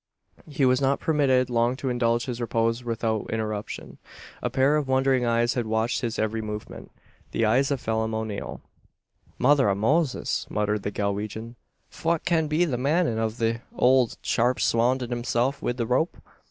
He was not permitted long to indulge his repose without interruption. A pair of wondering eyes had watched his every movement the eyes of Phelim O'Neal. "Mother av Mozis!" muttered the Galwegian; "fwhat can be the manin' av the owld chap's surroundin' himself wid the rope?"